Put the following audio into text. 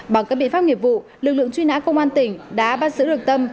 bằng các biện pháp nghiệp vụ lực lượng truy nã công an tỉnh đã bắt giữ được tâm